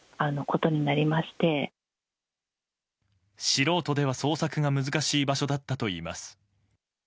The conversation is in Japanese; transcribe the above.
素人では捜索が難しい場所だったといいます。